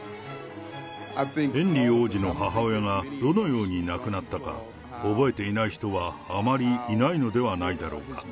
ヘンリー王子の母親がどのように亡くなったか、覚えていない人はあまりいないのではないのだろうか。